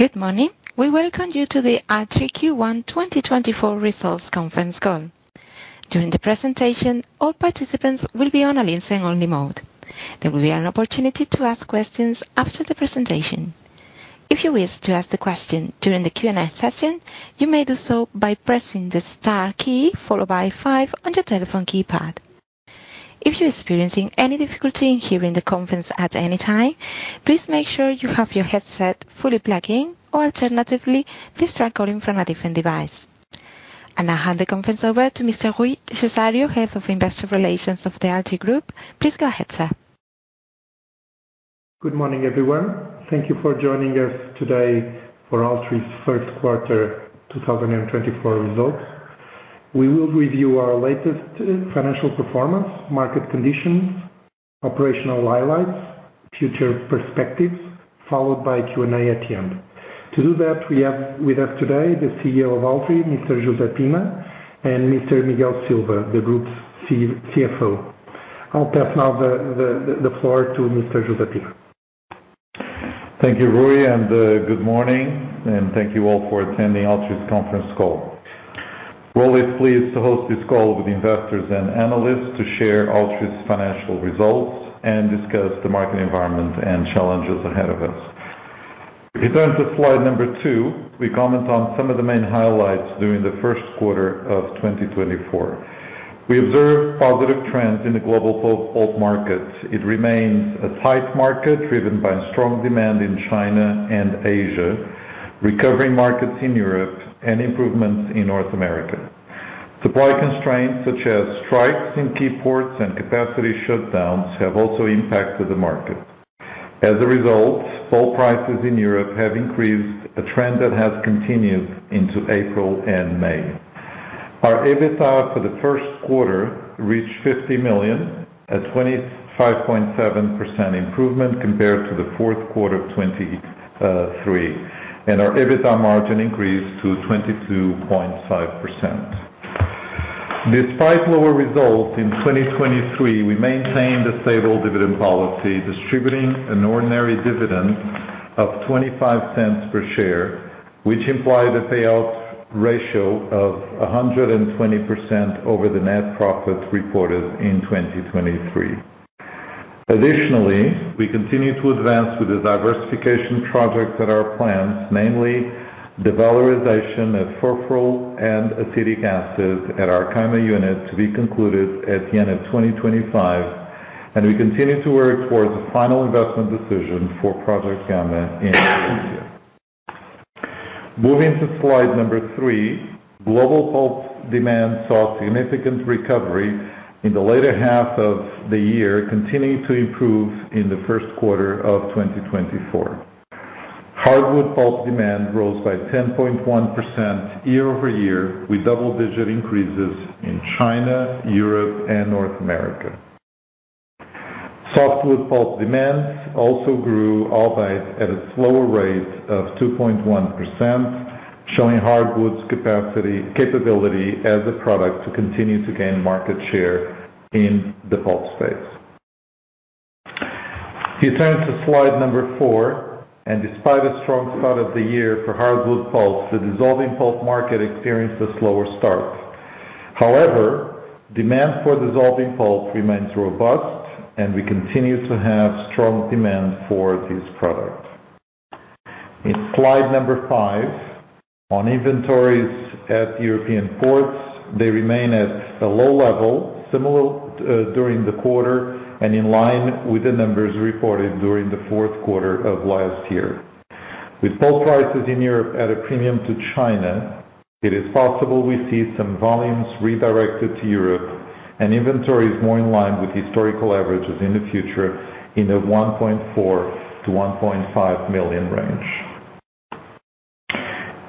Good morning. We welcome you to the Altri Q1 2024 Results Conference Call. During the presentation, all participants will be on a listen-only mode. There will be an opportunity to ask questions after the presentation. If you wish to ask the question during the Q&A session, you may do so by pressing the star key followed by five on your telephone keypad. If you're experiencing any difficulty in hearing the conference at any time, please make sure you have your headset fully plugged in, or alternatively, please try calling from a different device. I now hand the conference over to Mr. Rui Cesário, head of Investor Relations of the Altri Group. Please go ahead, sir. Good morning, everyone. Thank you for joining us today for Altri's first quarter 2024 results. We will review our latest financial performance, market conditions, operational highlights, future perspectives, followed by Q&A at the end. To do that, we have with us today the CEO of Altri, Mr. José Pina, and Mr. Miguel Silva, the group's CFO. I'll pass now the floor to Mr. José Pina. Thank you, Rui, and good morning, and thank you all for attending Altri's conference call. We're always pleased to host this call with investors and analysts to share Altri's financial results and discuss the market environment and challenges ahead of us. If you turn to slide number 2, we comment on some of the main highlights during the first quarter of 2024. We observed positive trends in the global pulp, pulp markets. It remains a tight market, driven by strong demand in China and Asia, recovering markets in Europe, and improvements in North America. Supply constraints, such as strikes in key ports and capacity shutdowns, have also impacted the market. As a result, pulp prices in Europe have increased, a trend that has continued into April and May. Our EBITDA for the first quarter reached 50 million, a 25.7% improvement compared to the fourth quarter of 2023, and our EBITDA margin increased to 22.5%. Despite lower results in 2023, we maintained a stable dividend policy, distributing an ordinary dividend of 0.25 per share, which implied a payout ratio of 120% over the net profits reported in 2023. Additionally, we continue to advance with the diversification project at our plants, namely the valorization of furfural and acetic acids at our Caima unit to be concluded at the end of 2025, and we continue to work towards a final investment decision for Project Gama in Asia. Moving to slide 3, global pulp demand saw significant recovery in the latter half of the year, continuing to improve in the first quarter of 2024. Hardwood pulp demand rose by 10.1% year-over-year, with double-digit increases in China, Europe, and North America. Softwood pulp demand also grew, albeit at a slower rate of 2.1%, showing hardwood's capability as a product to continue to gain market share in the pulp space. If you turn to slide 4, and despite a strong start of the year for hardwood pulp, the dissolving pulp market experienced a slower start. However, demand for dissolving pulp remains robust, and we continue to have strong demand for this product. In slide 5, on inventories at European ports, they remain at a low level, similar during the quarter and in line with the numbers reported during the fourth quarter of last year. With pulp prices in Europe at a premium to China, it is possible we see some volumes redirected to Europe and inventories more in line with historical averages in the future in a 1.4-1.5 million range.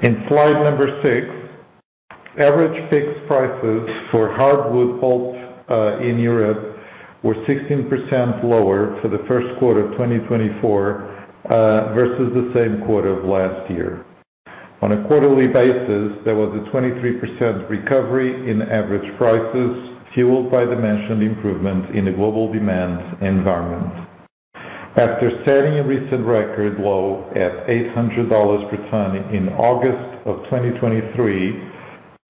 In slide 6, average fixed prices for hardwood pulp in Europe were 16% lower for the first quarter of 2024 versus the same quarter of last year. On a quarterly basis, there was a 23% recovery in average prices, fueled by the mentioned improvement in the global demand environment. After setting a recent record low at $800 per ton in August of 2023,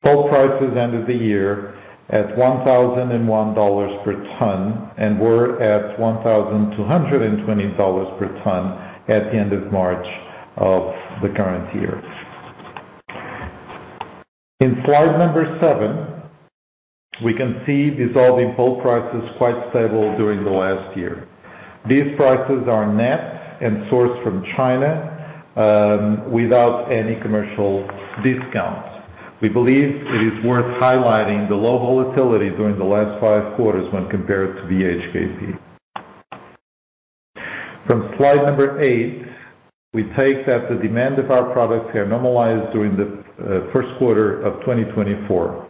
pulp prices ended the year at $1,001 per ton and were at $1,220 per ton at the end of March of the current year. In slide 7, we can see dissolving pulp prices quite stable during the last year. These prices are net and sourced from China, without any commercial discounts. We believe it is worth highlighting the low volatility during the last 5 quarters when compared to the BHKP. From slide 8, we take that the demand of our products have normalized during the first quarter of 2024.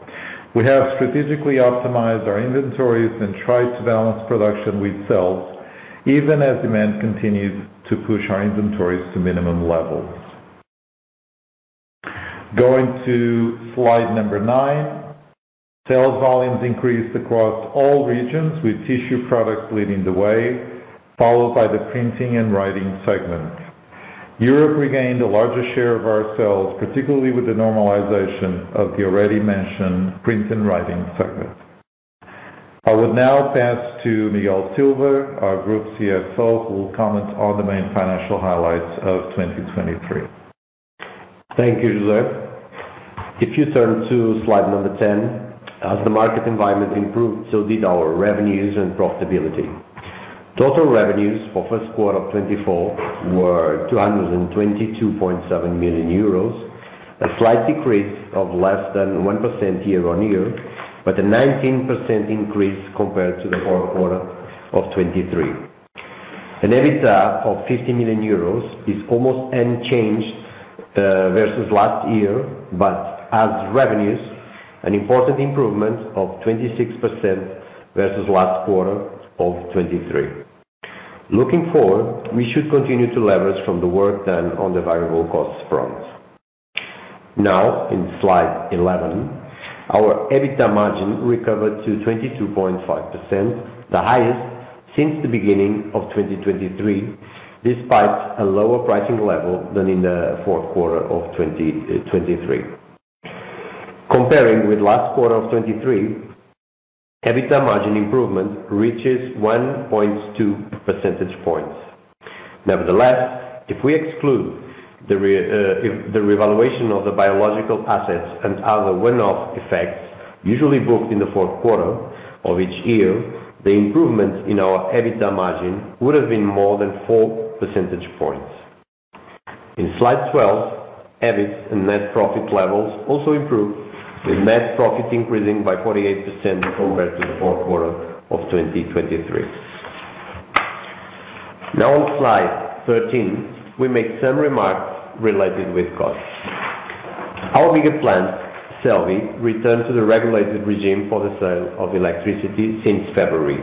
We have strategically optimized our inventories and tried to balance production with sales, even as demand continues to push our inventories to minimum levels. Going to slide 9. Sales volumes increased across all regions, with tissue products leading the way, followed by the printing and writing segment. Europe regained a larger share of our sales, particularly with the normalization of the already mentioned printing and writing segment. I would now pass to Miguel Silva, our group CFO, who will comment on the main financial highlights of 2023. Thank you, José. If you turn to slide 10, as the market environment improved, so did our revenues and profitability. Total revenues for first quarter of 2024 were 222.7 million euros, a slight decrease of less than 1% year-on-year, but a 19% increase compared to the fourth quarter of 2023. An EBITDA of 50 million euros is almost unchanged versus last year, but as revenues, an important improvement of 26% versus last quarter of 2023. Looking forward, we should continue to leverage from the work done on the variable costs front. Now in slide 11, our EBITDA margin recovered to 22.5%, the highest since the beginning of 2023, despite a lower pricing level than in the fourth quarter of 2023. Comparing with last quarter of 2023, EBITDA margin improvement reaches 1.2 percentage points. Nevertheless, if we exclude the revaluation of the biological assets and other one-off effects usually booked in the fourth quarter of each year, the improvement in our EBITDA margin would have been more than 4 percentage points. In slide 12, EBIT and net profit levels also improved, with net profit increasing by 48% compared to the fourth quarter of 2023. Now on slide 13, we make some remarks related with costs. Our bigger plant, Celbi, returned to the regulated regime for the sale of electricity since February,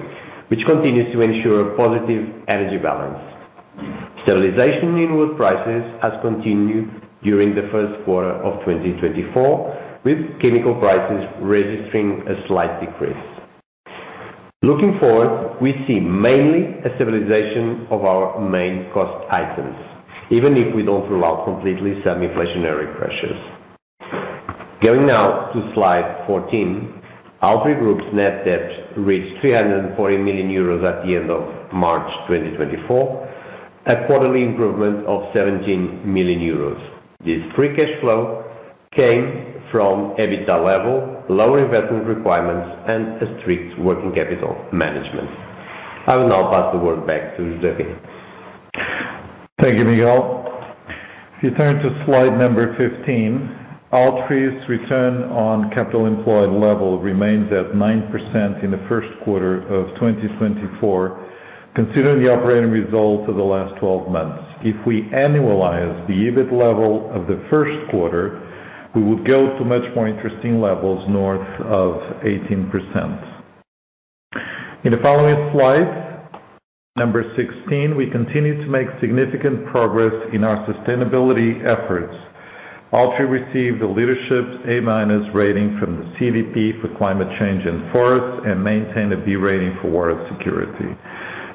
which continues to ensure a positive energy balance. Stabilization in wood prices has continued during the first quarter of 2024, with chemical prices registering a slight decrease. Looking forward, we see mainly a stabilization of our main cost items, even if we don't rule out completely some inflationary pressures. Going now to slide 14. Altri's net debt reached 340 million euros at the end of March 2024, a quarterly improvement of 17 million euros. This free cash flow came from EBITDA level, lower investment requirements, and a strict working capital management. I will now pass the word back to José. Thank you, Miguel. If you turn to slide number 15, Altri's return on capital employed level remains at 9% in the first quarter of 2024, considering the operating results of the last 12 months. If we annualize the EBIT level of the first quarter, we would go to much more interesting levels north of 18%. In the following slide, number 16, we continue to make significant progress in our sustainability efforts. Altri received a leadership A-minus rating from the CDP for climate change and forests and maintained a B rating for water security.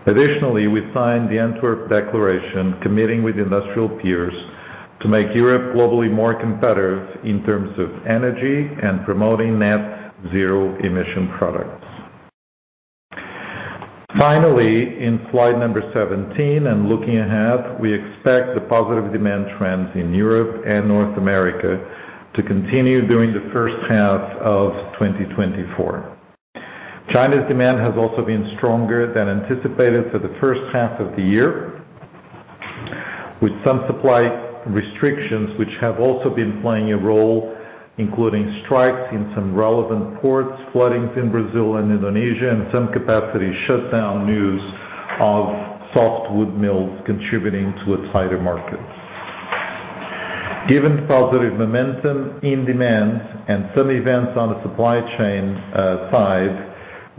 Additionally, we signed the Antwerp Declaration, committing with industrial peers to make Europe globally more competitive in terms of energy and promoting net zero emission products. Finally, in slide number 17 and looking ahead, we expect the positive demand trends in Europe and North America to continue during the first half of 2024. China's demand has also been stronger than anticipated for the first half of the year, with some supply restrictions, which have also been playing a role, including strikes in some relevant ports, flooding in Brazil and Indonesia, and some capacity shutdown news of softwood mills contributing to a tighter market. Given the positive momentum in demand and some events on the supply chain, side,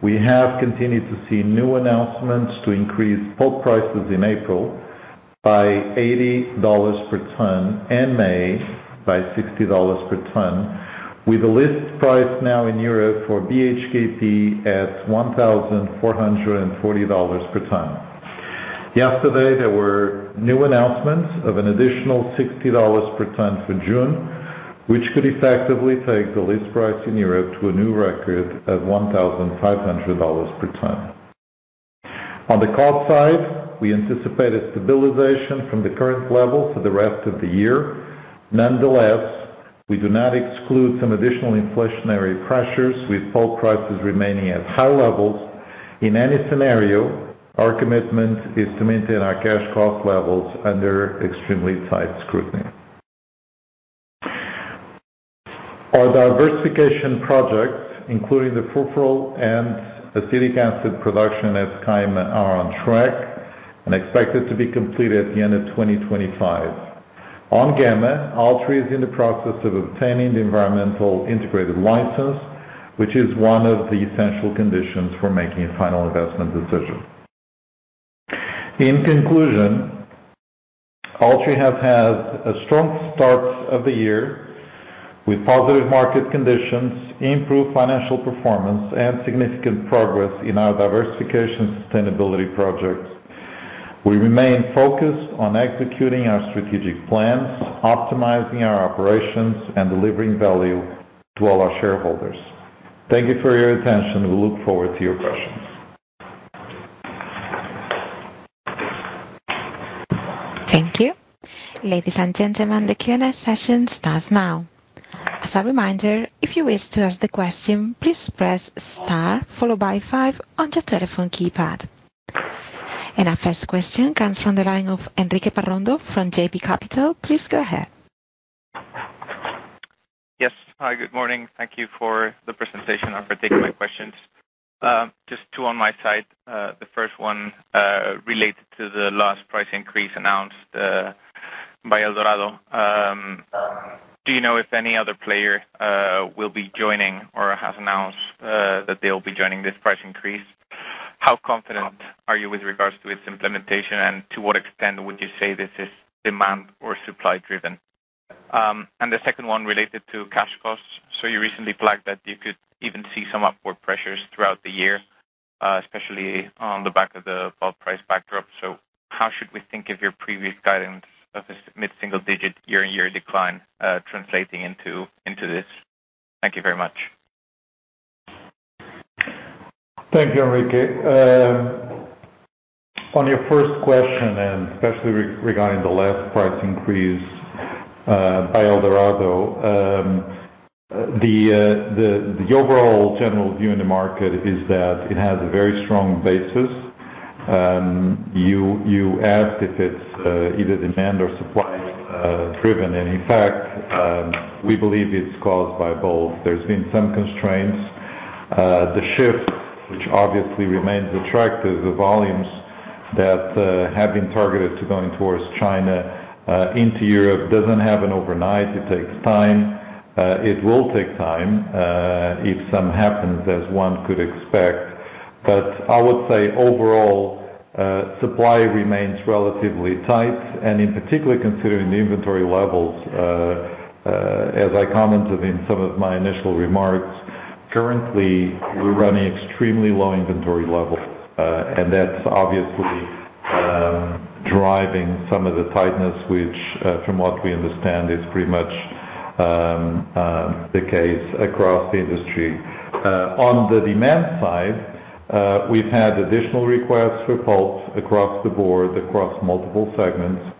we have continued to see new announcements to increase pulp prices in April by $80 per ton and May by $60 per ton, with a list price now in Europe for BHKP at $1,440 per ton. Yesterday, there were new announcements of an additional $60 per ton for June, which could effectively take the list price in Europe to a new record at $1,500 per ton. On the cost side, we anticipate a stabilization from the current level for the rest of the year. Nonetheless, we do not exclude some additional inflationary pressures, with pulp prices remaining at high levels. In any scenario, our commitment is to maintain our cash cost levels under extremely tight scrutiny. Our diversification projects, including the furfural and acetic acid production at Caima, are on track and expected to be completed at the end of 2025. On Gama, Altri is in the process of obtaining the environmental integrated license, which is one of the essential conditions for making a final investment decision. In conclusion, Altri has had a strong start of the year with positive market conditions, improved financial performance, and significant progress in our diversification sustainability projects. We remain focused on executing our strategic plans, optimizing our operations, and delivering value to all our shareholders. Thank you for your attention. We look forward to your questions. Thank you. Ladies and gentlemen, the Q&A session starts now. As a reminder, if you wish to ask the question, please press star followed by five on your telephone keypad. And our first question comes from the line of Enrique Parrondo from JB Capital Markets. Please go ahead. Yes. Hi, good morning. Thank you for the presentation and for taking my questions. Just two on my side. The first one relates to the last price increase announced by Eldorado. Do you know if any other player will be joining or has announced that they'll be joining this price increase? How confident are you with regards to its implementation, and to what extent would you say this is demand or supply driven? And the second one related to cash costs. So you recently flagged that you could even see some upward pressures throughout the year, especially on the back of the pulp price backdrop. So how should we think of your previous guidance of this mid-single digit year-on-year decline translating into this? Thank you very much. Thank you, Enrique. On your first question, and especially regarding the last price increase by Eldorado, the overall general view in the market is that it has a very strong basis. You asked if it's either demand or supply driven. And in fact, we believe it's caused by both. There's been some constraints. The shift, which obviously remains attractive, the volumes that have been targeted to going towards China into Europe, doesn't happen overnight. It takes time. It will take time, if some happens, as one could expect. But I would say overall, supply remains relatively tight, and in particular, considering the inventory levels, as I commented in some of my initial remarks, currently, we're running extremely low inventory levels, and that's obviously driving some of the tightness, which from what we understand is pretty much the case across the industry. On the demand side, we've had additional requests for pulp across the board, across multiple segments.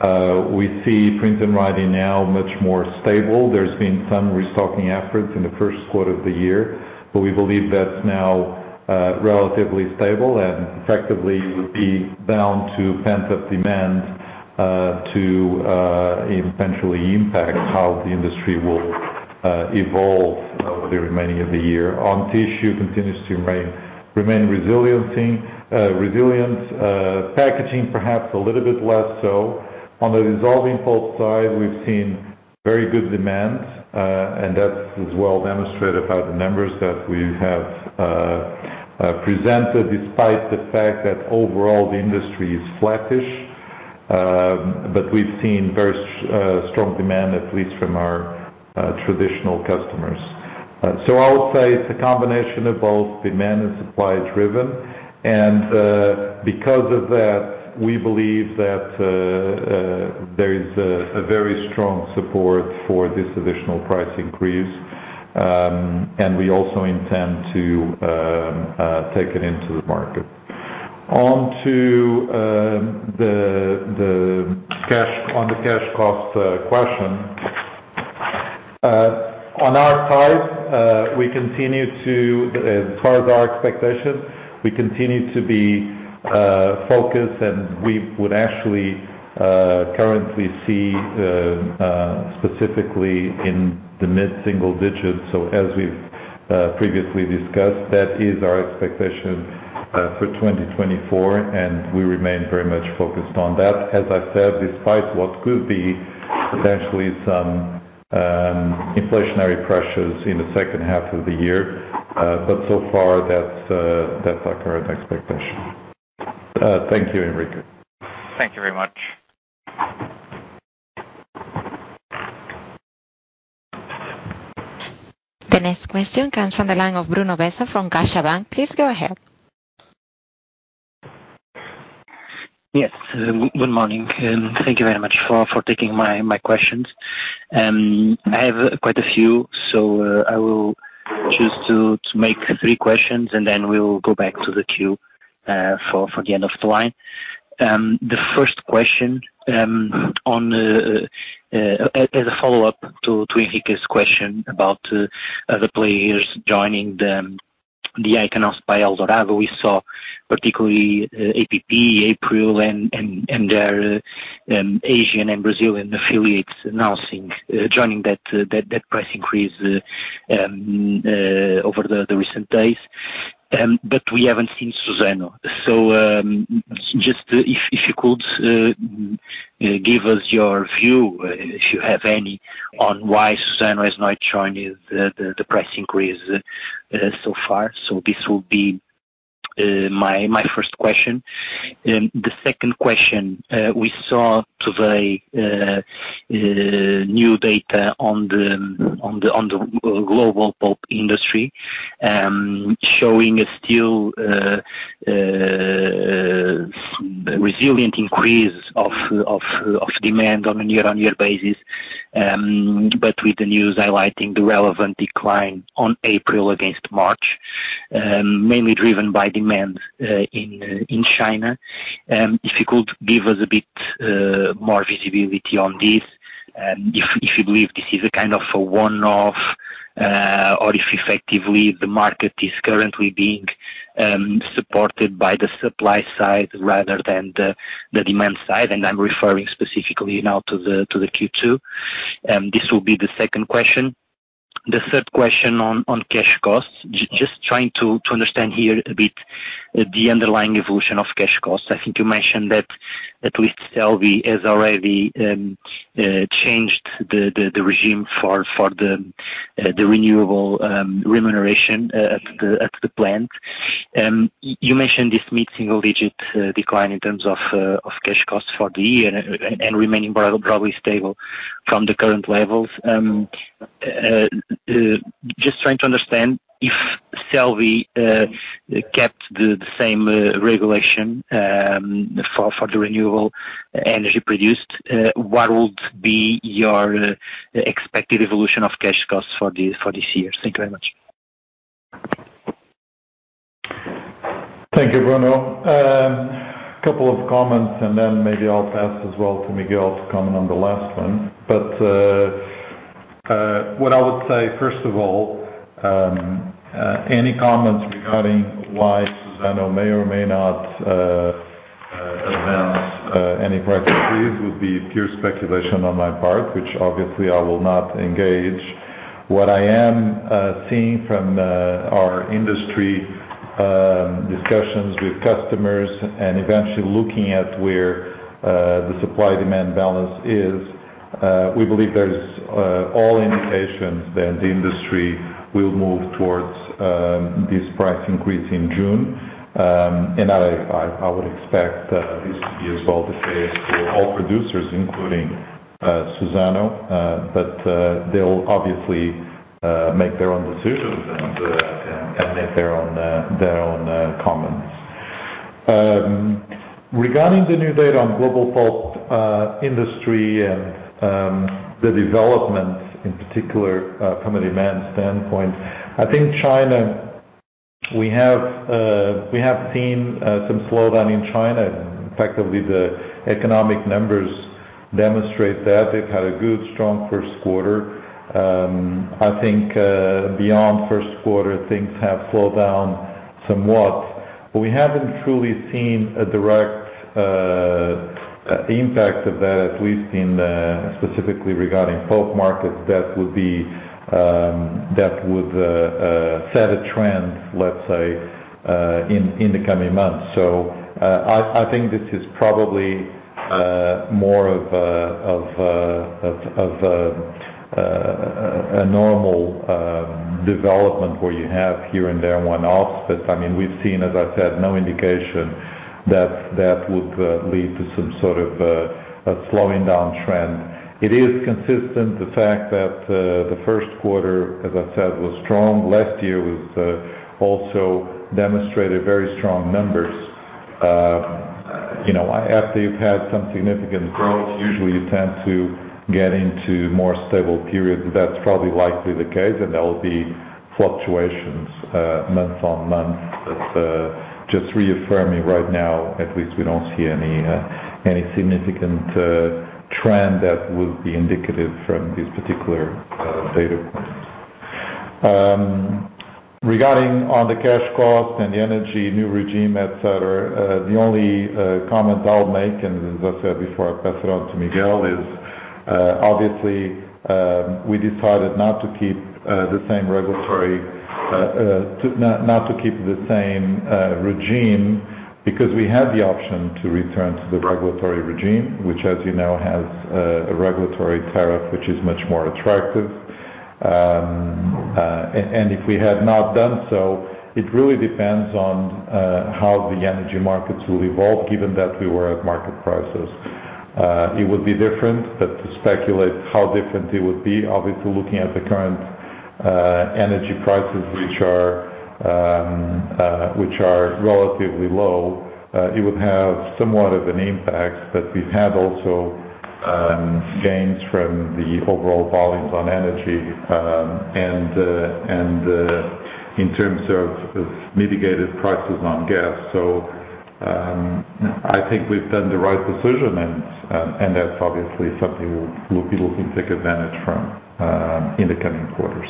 We see Printing and Writing now much more stable. There's been some restocking efforts in the first quarter of the year, but we believe that's now relatively stable and effectively would be down to pent-up demand to eventually impact how the industry will evolve over the remaining of the year. On tissue, continues to remain resilient. Packaging, perhaps a little bit less so. On the dissolving pulp side, we've seen very good demand, and that's as well demonstrated by the numbers that we have presented, despite the fact that overall the industry is flattish. But we've seen very strong demand, at least from our traditional customers. So I would say it's a combination of both demand and supply driven, and because of that, we believe that there is a very strong support for this additional price increase, and we also intend to take it into the market. On to the cash cost question, on our side, we continue to, as far as our expectations, we continue to be focused, and we would actually currently see specifically in the mid-single digits. So as we've previously discussed, that is our expectation for 2024, and we remain very much focused on that. As I said, despite what could be potentially some inflationary pressures in the second half of the year, but so far, that's our current expectation. Thank you, Enrique. Thank you very much. The next question comes from the line of Bruno Bessa from CaixaBank. Please go ahead. Yes, good morning, and thank you very much for taking my questions. I have quite a few, so I will choose to make three questions, and then we will go back to the queue for the end of the line. The first question, as a follow-up to Enrique's question about the players joining the hike announced by Eldorado, we saw particularly APP, APRIL and their Asian and Brazilian affiliates announcing joining that price increase over the recent days. But we haven't seen Suzano. So, just if you could give us your view, if you have any, on why Suzano has not joined the price increase so far. So this will be my first question. The second question, we saw today new data on the global pulp industry, showing a still resilient increase of demand on a year-on-year basis. But with the news highlighting the relevant decline on April against March, mainly driven by demand in China. If you could give us a bit more visibility on this, if you believe this is a kind of a one-off, or if effectively the market is currently being supported by the supply side rather than the demand side, and I'm referring specifically now to the Q2. This will be the second question. The third question on cash costs. Just trying to understand here a bit the underlying evolution of cash costs. I think you mentioned that at least Celbi has already changed the regime for the renewable remuneration at the plant. You mentioned this mid-single digit decline in terms of cash costs for the year and remaining probably stable from the current levels. Just trying to understand, if Celbi kept the same regulation for the renewable energy produced, what would be your expected evolution of cash costs for this year? Thank you very much. Thank you, Bruno. Couple of comments, and then maybe I'll pass as well to Miguel to comment on the last one. But, what I would say, first of all, any comments regarding why Suzano may or may not announce any price increase would be pure speculation on my part, which obviously I will not engage. What I am seeing from our industry discussions with customers and eventually looking at where the supply-demand balance is, we believe there's all indications that the industry will move towards this price increase in June. And I would expect this to be as well the case for all producers, including Suzano, but they'll obviously make their own decisions and make their own comments. Regarding the new data on global pulp industry and the developments in particular from a demand standpoint, I think China, we have seen some slowdown in China. Effectively, the economic numbers demonstrate that. They've had a good, strong first quarter. I think beyond first quarter, things have slowed down somewhat, but we haven't truly seen a direct impact of that, at least in specifically regarding pulp markets, that would be that would set a trend, let's say, in the coming months. So, I think this is probably more of a normal development where you have here and there one-offs. But, I mean, we've seen, as I said, no indication that that would lead to some sort of a slowing down trend. It is consistent, the fact that the first quarter, as I said, was strong. Last year was also demonstrated very strong numbers. You know, after you've had some significant growth, usually you tend to get into more stable periods. That's probably likely the case, and there will be fluctuations month-on-month. But just reaffirming right now, at least we don't see any any significant trend that would be indicative from this particular data. Regarding on the cash cost and the energy, new regime, et cetera, the only comments I'll make, and as I said before, I pass it on to Miguel, is, obviously, we decided not to keep the same regulatory, to, not, not to keep the same regime, because we had the option to return to the regulatory regime, which, as you know, has a regulatory tariff, which is much more attractive. And, and if we had not done so, it really depends on how the energy markets will evolve, given that we were at market prices. It would be different, but to speculate how different it would be, obviously, looking at the current energy prices, which are, which are relatively low, it would have somewhat of an impact. But we've had also gains from the overall volumes on energy, and in terms of mitigated prices on gas. So, I think we've done the right decision, and that's obviously something we'll be looking to take advantage from in the coming quarters.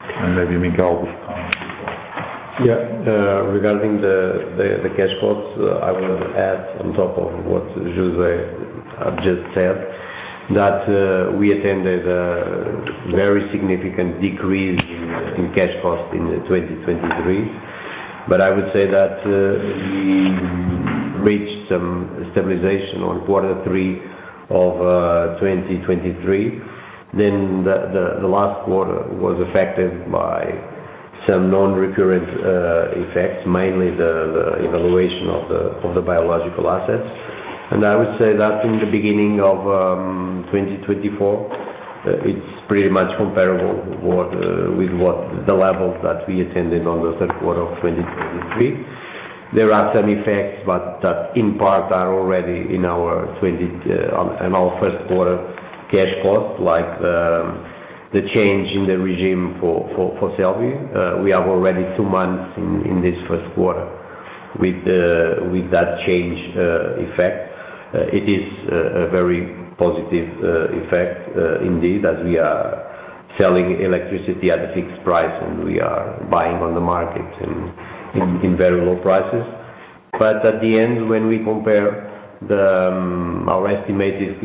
And maybe Miguel will comment as well. Yeah. Regarding the cash costs, I would add on top of what José have just said, that we attended a very significant decrease in cash cost in 2023. ...But I would say that we reached some stabilization on quarter three of 2023. Then the last quarter was affected by some non-recurrent effects, mainly the evaluation of the biological assets. And I would say that in the beginning of 2024, it's pretty much comparable what with what the levels that we attended on the third quarter of 2023. There are some effects, but that in part are already in our 2024, on in our first quarter cash cost, like the change in the regime for Celbi. We have already 2 months in this first quarter with that change effect. It is a very positive effect indeed, as we are selling electricity at a fixed price, and we are buying on the market and in very low prices. But at the end, when we compare our estimated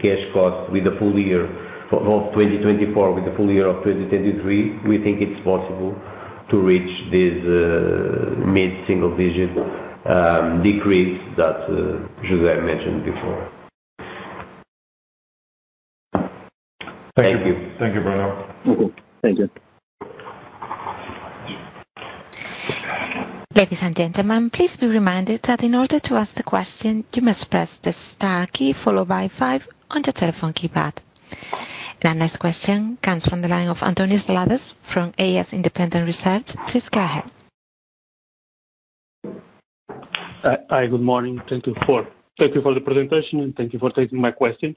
cash cost with the full year of 2024, with the full year of 2023, we think it's possible to reach this mid-single digit decrease that José mentioned before. Thank you. Thank you, Bruno. Mm-hmm. Thank you. Ladies and gentlemen, please be reminded that in order to ask the question, you must press the star key followed by five on your telephone keypad. Our next question comes from the line of António Seladas from AS Independent Research. Please go ahead. Hi, good morning. Thank you for, thank you for the presentation, and thank you for taking my questions.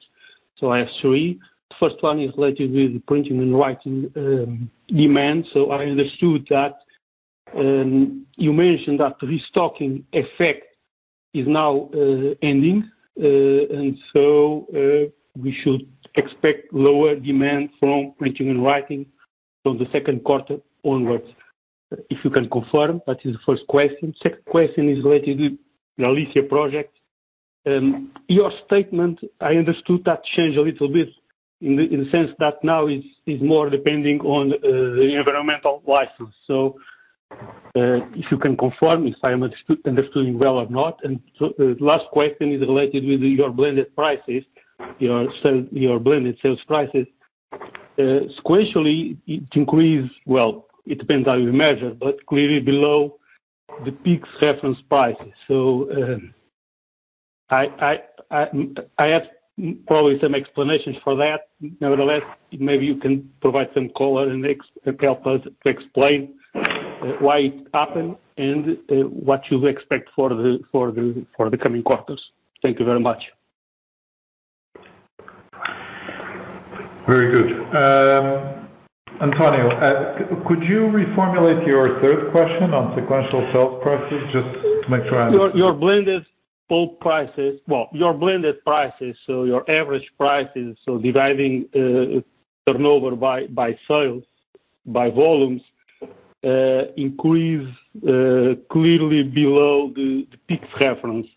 So I have three. First one is related with Printing and Writing demand. So I understood that you mentioned that restocking effect is now ending. And so we should expect lower demand from Printing and Writing from the second quarter onwards. If you can confirm, that is the first question. Second question is related with the Galicia project. Your statement, I understood that change a little bit in the sense that now it is more depending on the environmental license. So if you can confirm if I understood understanding well or not. And so the last question is related with your blended prices, your blended sales prices. Sequentially, it increased... Well, it depends how you measure, but clearly below the PIX reference prices. So, I have probably some explanations for that. Nevertheless, maybe you can provide some color and help us to explain why it happened and what you expect for the coming quarters. Thank you very much. Very good. António, could you reformulate your third question on sequential sales prices, just to make sure I understand? Your blended pulp prices, well, your blended prices, so your average prices, so dividing turnover by sales volumes, increase clearly below the PIX reference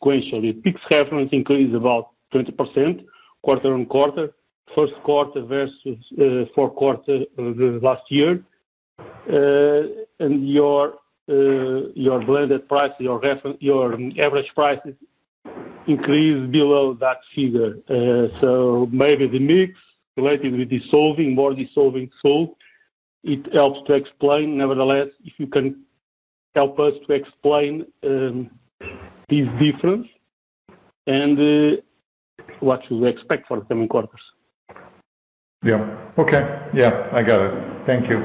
sequentially. Peaks reference increase about 20% quarter-on-quarter, first quarter versus fourth quarter of the last year. And your blended price, your average prices increased below that figure. So maybe the mix related with dissolving, more dissolving pulp, it helps to explain. Nevertheless, if you can help us to explain this difference and what should we expect for the coming quarters. Yeah. Okay. Yeah, I got it. Thank you.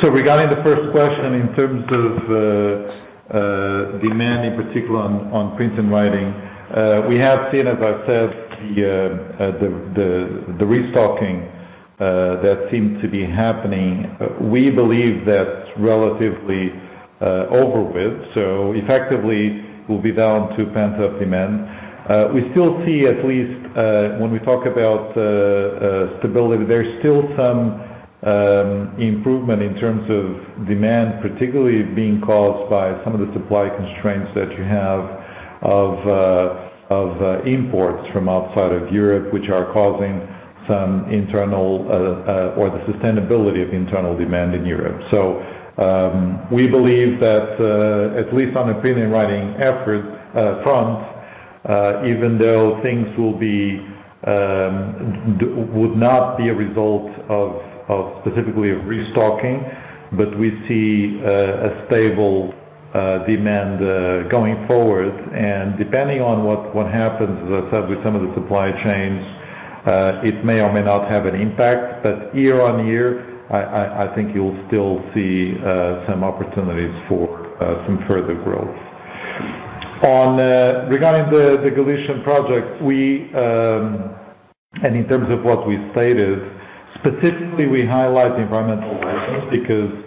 So regarding the first question in terms of demand, in particular on Printing and Writing, we have seen, as I said, the restocking that seemed to be happening. We believe that's relatively over with, so effectively we'll be down to pent-up demand. We still see at least when we talk about stability, there's still some improvement in terms of demand, particularly being caused by some of the supply constraints that you have of imports from outside of Europe, which are causing some internal or the sustainability of internal demand in Europe. So, we believe that at least on a printing and writing paper front, even though things would not be a result of specifically restocking, but we see a stable demand going forward. Depending on what happens, as I said, with some of the supply chains, it may or may not have an impact, but year-on-year, I think you'll still see some opportunities for some further growth. On, regarding the Galician project and in terms of what we stated, specifically, we highlight the environmental license, because...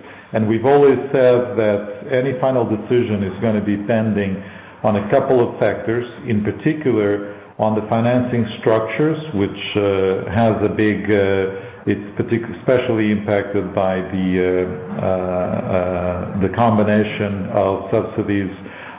We've always said that any final decision is gonna be pending on a couple of factors, in particular on the financing structures, which has a big, it's especially impacted by the... The combination of subsidies,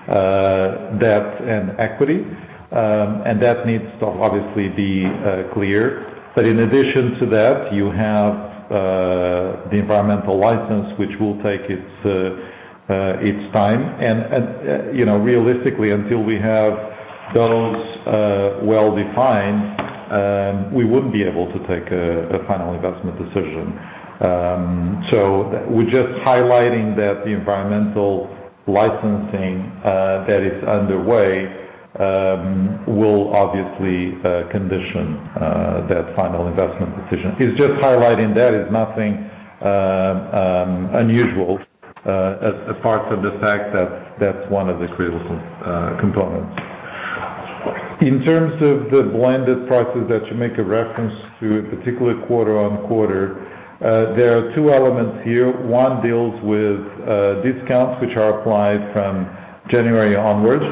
debt, and equity, and that needs to obviously be clear. But in addition to that, you have the environmental license, which will take its time. And you know, realistically, until we have those well-defined, we wouldn't be able to take a final investment decision. So we're just highlighting that the environmental licensing that is underway will obviously condition that final investment decision. It's just highlighting there is nothing unusual, apart from the fact that that's one of the critical components. In terms of the blended prices that you make a reference to, particularly quarter-over-quarter, there are two elements here. One deals with discounts, which are applied from January onwards.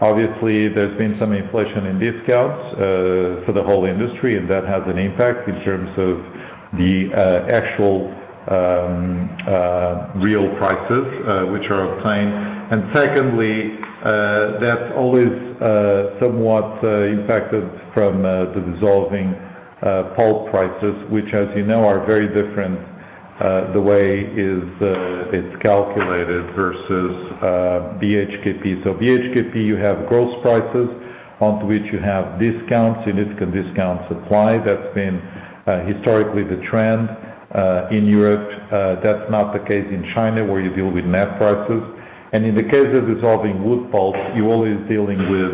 Obviously, there's been some inflation in discounts for the whole industry, and that has an impact in terms of the actual real prices which are obtained. And secondly, that's always somewhat impacted from the dissolving pulp prices, which, as you know, are very different the way is, it's calculated versus BHKP. So BHKP, you have gross prices, onto which you have discounts, significant discounts applied. That's been historically the trend in Europe. That's not the case in China, where you deal with net prices. And in the case of dissolving wood pulp, you're always dealing with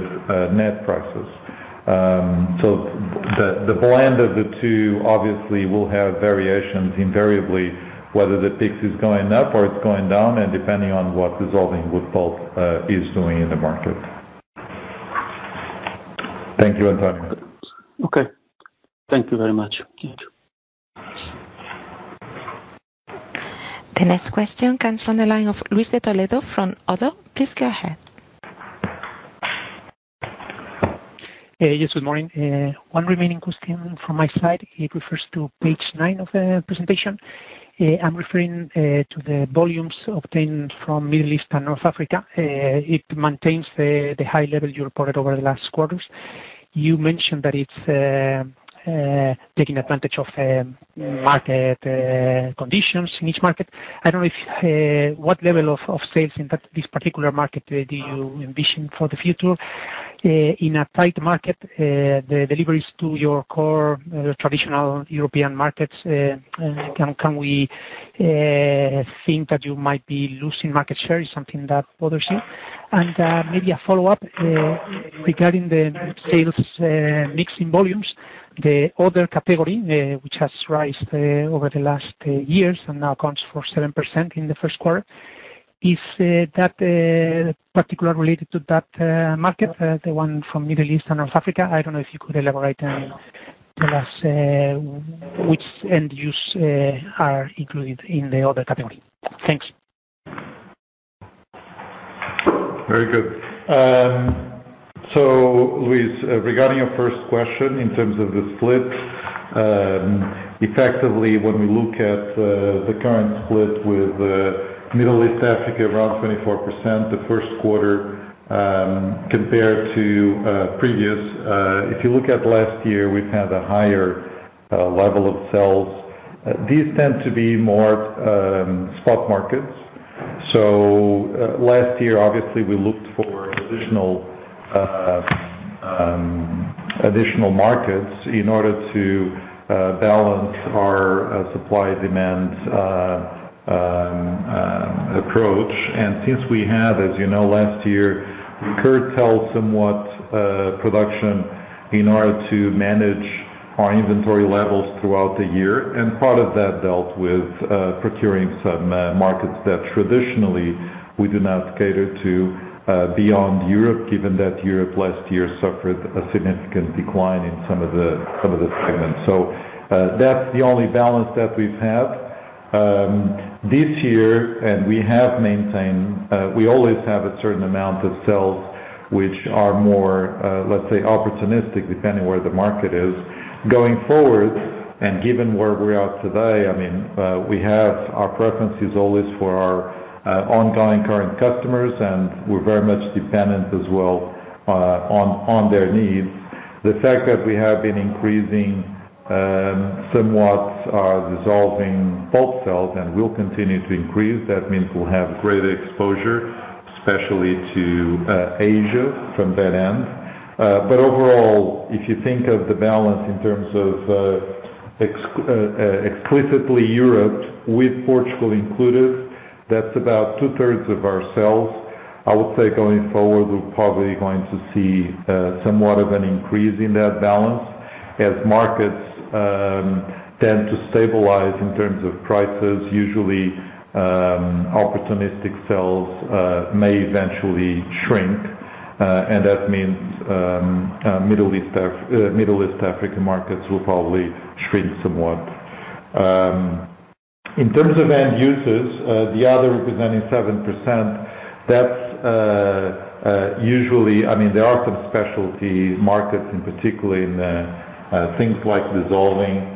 net prices. So the blend of the two, obviously, will have variations invariably, whether the PIX is going up or it's going down, and depending on what dissolving wood pulp is doing in the market. Thank you, António. Okay. Thank you very much. The next question comes from the line of Luis de Toledo from ODDO BHF. Please go ahead. Hey, yes, good morning. One remaining question from my side. It refers to page 9 of the presentation. I'm referring to the volumes obtained from Middle East and North Africa. It maintains the high level you reported over the last quarters. You mentioned that it's taking advantage of market conditions in each market. I don't know if what level of sales in that—this particular market do you envision for the future? In a tight market, the deliveries to your core traditional European markets, can we think that you might be losing market share? Is something that bothers you? Maybe a follow-up regarding the sales mixing volumes, the other category, which has risen over the last years and now accounts for 7% in the first quarter. Is that particular related to that market, the one from Middle East and North Africa? I don't know if you could elaborate and tell us which end use are included in the other category. Thanks. Very good. So Luis, regarding your first question, in terms of the split, effectively, when we look at the current split with Middle East, Africa, around 24%, the first quarter, compared to previous, if you look at last year, we've had a higher level of sales. These tend to be more stock markets. So last year, obviously, we looked for additional markets in order to balance our supply-demand approach. And since we had, as you know, last year, curtail somewhat production in order to manage our inventory levels throughout the year, and part of that dealt with procuring some markets that traditionally we do not cater to beyond Europe, given that Europe last year suffered a significant decline in some of the segments. So, that's the only balance that we've had. This year, and we have maintained, we always have a certain amount of sales which are more, let's say, opportunistic, depending where the market is. Going forward, and given where we are today, I mean, we have our preferences always for our, ongoing current customers, and we're very much dependent as well, on, on their needs. The fact that we have been increasing, somewhat, our dissolving pulp sales and will continue to increase, that means we'll have greater exposure, especially to, Asia, from that end. But overall, if you think of the balance in terms of, explicitly Europe, with Portugal included, that's about two-thirds of our sales. I would say going forward, we're probably going to see, somewhat of an increase in that balance. As markets tend to stabilize in terms of prices, usually, opportunistic sales may eventually shrink, and that means Middle East, Africa markets will probably shrink somewhat. In terms of end users, the other representing 7%, that's usually... I mean, there are some specialty markets, and particularly in things like dissolving...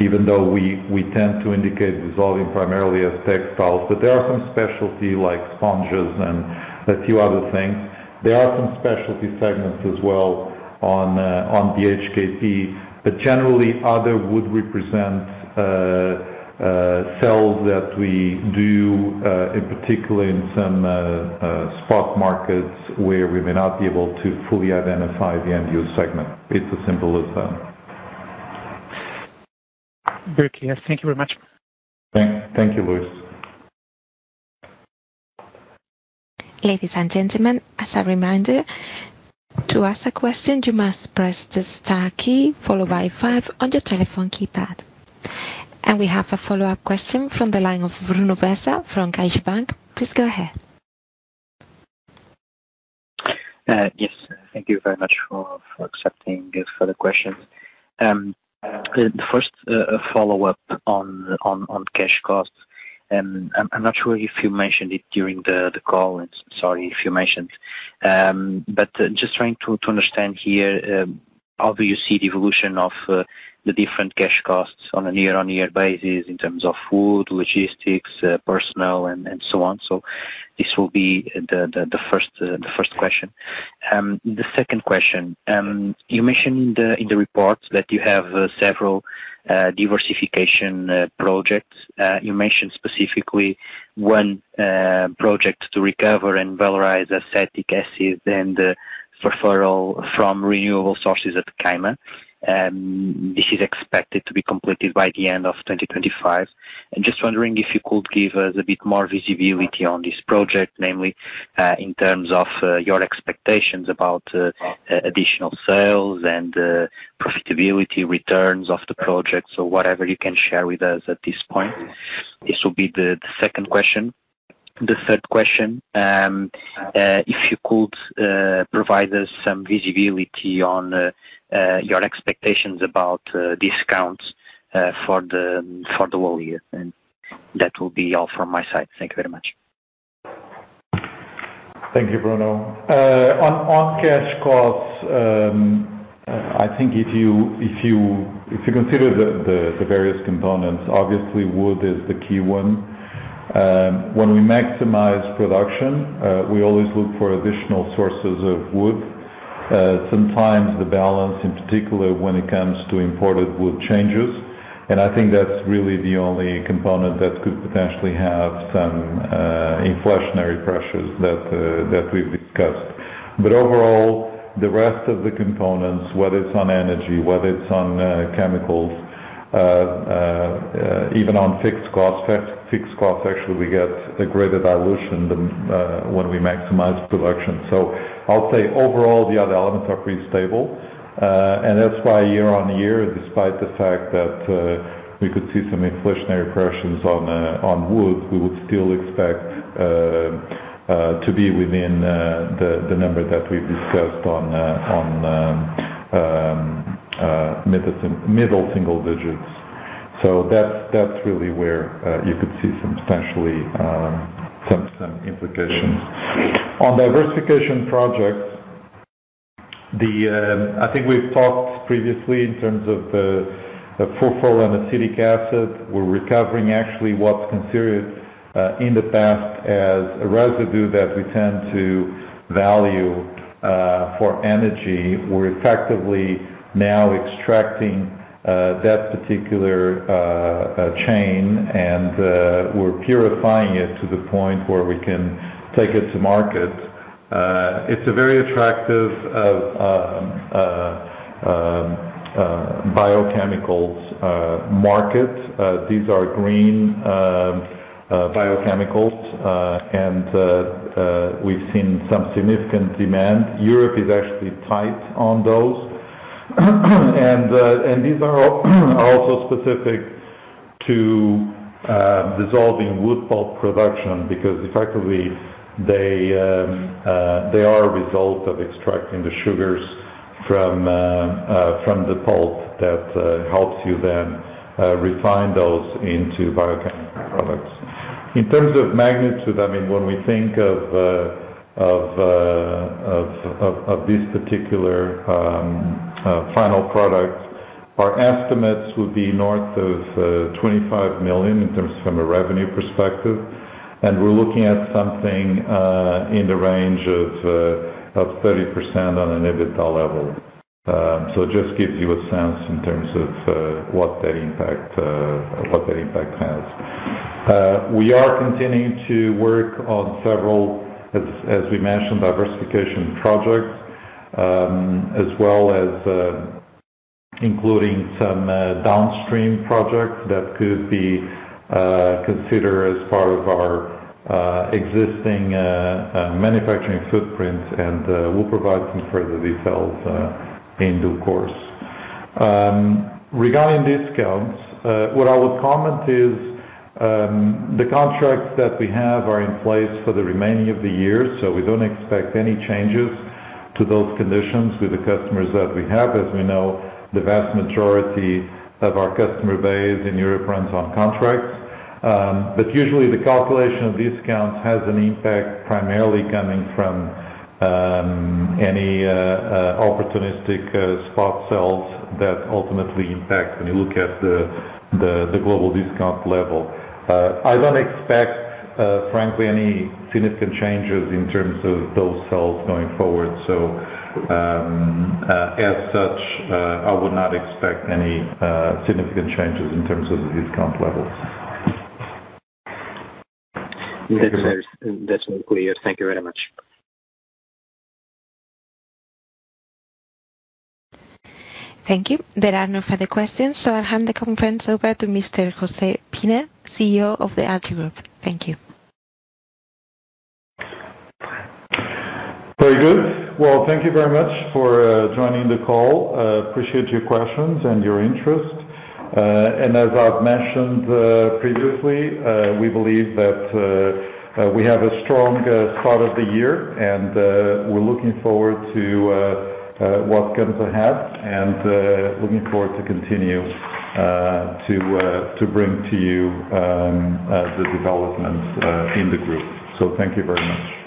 Even though we tend to indicate dissolving primarily as textiles, but there are some specialty like sponges and a few other things. There are some specialty segments as well on the BHKP, but generally, other would represent sales that we do in particular in some spot markets where we may not be able to fully identify the end-use segment. It's as simple as that. Very clear. Thank you very much. Thank you, Luis. Ladies and gentlemen, as a reminder, to ask a question, you must press the star key followed by five on your telephone keypad. We have a follow-up question from the line of Bruno Bessa from CaixaBank. Please go ahead. Yes, thank you very much for accepting this further questions. The first follow-up on cash costs, and I'm not sure if you mentioned it during the call. Sorry if you mentioned. But just trying to understand here, how do you see the evolution of the different cash costs on a year-on-year basis in terms of wood, logistics, personnel, and so on? So this will be the first question. The second question, you mentioned in the report that you have several diversification projects. You mentioned specifically one project to recover and valorize acetic acid and furfural from renewable sources at the Caima. This is expected to be completed by the end of 2025. I'm just wondering if you could give us a bit more visibility on this project, namely, in terms of, your expectations about, additional sales and, profitability returns of the project. So whatever you can share with us at this point. This will be the second question. The third question, if you could, provide us some visibility on, your expectations about, discounts, for the, for the whole year. And that will be all from my side. Thank you very much. Thank you, Bruno. On cash costs, I think if you consider the various components, obviously wood is the key one. When we maximize production, we always look for additional sources of wood. Sometimes the balance, in particular, when it comes to imported wood, changes, and I think that's really the only component that could potentially have some inflationary pressures that we've discussed. But overall, the rest of the components, whether it's on energy, whether it's on chemicals, even on fixed costs. Fixed costs, actually, we get a greater dilution than when we maximize production. So I'll say overall, the other elements are pretty stable. And that's why year-on-year, despite the fact that we could see some inflationary pressures on wood, we would still expect to be within the number that we've discussed on middle single digits. So that's really where you could see some potentially some implications. On diversification projects, I think we've talked previously in terms of the Furfural and Acetic Acid. We're recovering actually what's considered in the past as a residue that we tend to value for energy. We're effectively now extracting that particular chain, and we're purifying it to the point where we can take it to market. It's a very attractive biochemical market. These are green biochemicals, and we've seen some significant demand. Europe is actually tight on those. And these are also specific to dissolving wood pulp production, because effectively, they are a result of extracting the sugars from the pulp that helps you then refine those into biochemical products. In terms of magnitude, I mean, when we think of this particular final product, our estimates would be north of 25 million in terms from a revenue perspective, and we're looking at something in the range of 30% on an EBITDA level. So it just gives you a sense in terms of what that impact has. We are continuing to work on several, as we mentioned, diversification projects, as well as including some downstream projects that could be considered as part of our existing manufacturing footprint, and we'll provide some further details in due course. Regarding discounts, what I would comment is, the contracts that we have are in place for the remaining of the year, so we don't expect any changes to those conditions with the customers that we have. As we know, the vast majority of our customer base in Europe runs on contracts. But usually the calculation of discounts has an impact primarily coming from any opportunistic spot sales that ultimately impact when you look at the global discount level. I don't expect, frankly, any significant changes in terms of those sales going forward. So, as such, I would not expect any significant changes in terms of the discount levels. That's, that's clear. Thank you very much. Thank you. There are no further questions, so I'll hand the conference over to Mr. José Pina, CEO of Altri. Thank you. Very good. Well, thank you very much for joining the call. Appreciate your questions and your interest. As I've mentioned previously, we believe that we have a strong start of the year, and we're looking forward to what's going to happen and looking forward to continue to bring to you the development in the group. Thank you very much.